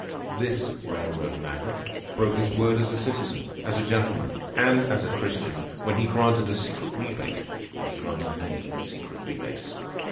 This railroad magnate broke his word as a citizen, as a gentleman, and as a Christian, when he granted a secret rebate, and he granted many secret rebates.